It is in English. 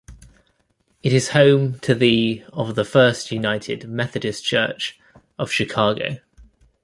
It is home to the of the First United Methodist Church of Chicago.